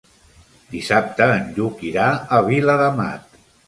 Dissabte en Lluc irà a Viladamat.